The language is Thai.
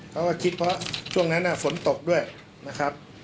เขาก็คิดเพราะช่วงนั้นฝนตกด้วยนะครับ